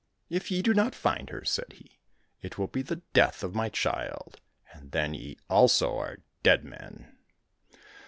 " If ye do not find her," said he, "it will be the death of my child, and then ye also are dead men."